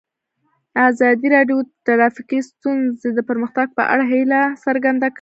ازادي راډیو د ټرافیکي ستونزې د پرمختګ په اړه هیله څرګنده کړې.